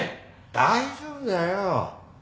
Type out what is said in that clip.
大丈夫だよ。